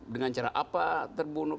dengan cara apa terbunuh